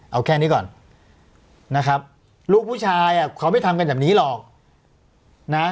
เอาแค่นี้ก่อนนะครับลูกผู้ชายอ่ะเขาไม่ทำกันแบบนี้หรอกนะ